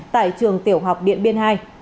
tại trường tiểu học điện biên hai